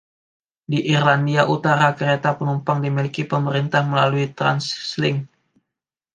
Di Irlandia Utara kereta penumpang dimiliki pemerintah melalui Translink.